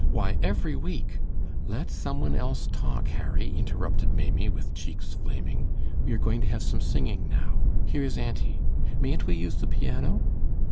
Why, every week " "Let some one else talk, Harry," interrupted Maimie, with cheeks flaming. "We are going to have some singing now. Here is auntie. Mayn't we use the piano?"